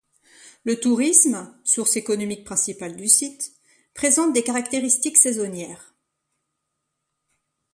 Le tourisme, source économique principale du site, présente des caractéristiques saisonnières.